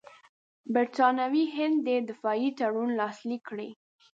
برټانوي هند دې دفاعي تړون لاسلیک کړي.